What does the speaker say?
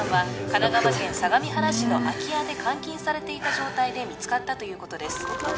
神奈川県相模原市の空き家で監禁されていた状態で見つかったということです